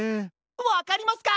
わかりますか！